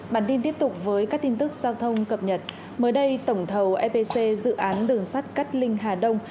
bản tin tiếp tục với các tin tức giao thông cập nhật mới đây tổng thầu epc dự án đường sắt cát linh hà đông